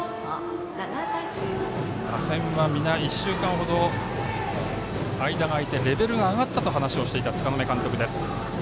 打線は皆、１週間ほど間が空いてレベルが上がったと話していた柄目監督です。